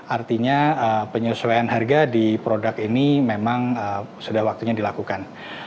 artinya penyesuaian harga di produk ini memang sudah waktunya dilakukan